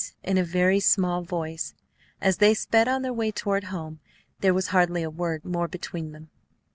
in a very small voice. As they sped on their way toward home, there was hardly a word more between them.